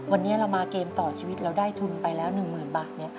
วันนี้เรามาเกมต่อชีวิตเราได้ทุนไปแล้ว๑๐๐๐บาท